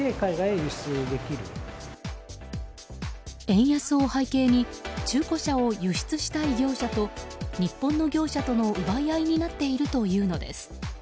円安を背景に中古車を輸出したい業者と日本の業者との奪い合いになっているというのです。